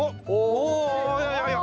おいやいやいや。